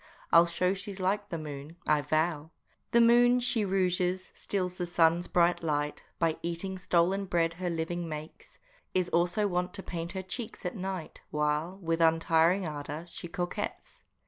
I'll show she's like the moon, I vow! The moon she rouges, steals the sun's bright light, By eating stolen bread her living gets, Is also wont to paint her cheeks at night, While, with untiring ardor, she coquets.